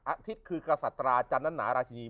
อาทิตย์คือกษัตราจันทนาราชินี